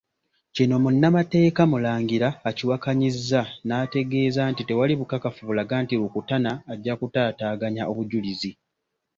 Kino Munnamateeka Mulangira akiwakanyizza n'ategeeza nti tewali bukakafu bulaga nti Rukutana ajja kutaataaganya obujjulizi.